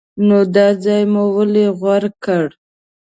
نو دا ځای مو ولې غوره کړ؟